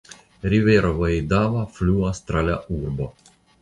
Rivero Vaidava fluas tra la urbo.